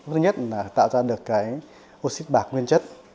thứ nhất là tạo ra được cái oxy bạc nguyên chất